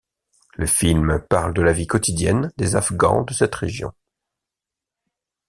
Le film parle de la vie quotidienne des Afghans de cette région.